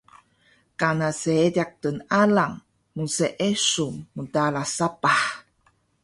kana seediq tnalang mseesu mtara sapah